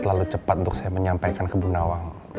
terlalu cepat untuk saya menyampaikan ke bu nawang